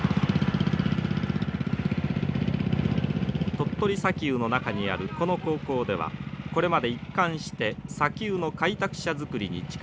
鳥取砂丘の中にあるこの高校ではこれまで一貫して砂丘の開拓者作りに力を注いできました。